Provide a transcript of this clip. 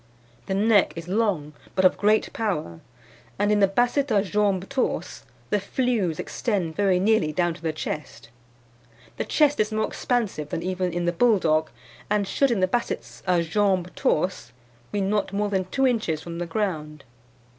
"The neck is long, but of great power; and in the Basset a jambes torses the flews extend very nearly down to the chest. The chest is more expansive than even in the Bulldog, and should in the Bassets a jambes torses be not more than two inches from the ground.